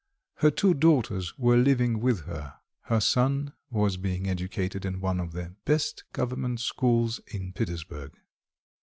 Her two daughters were living with her; her son was being educated in one of the best government schools in Petersburg.